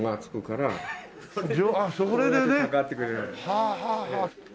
はあはあはあ。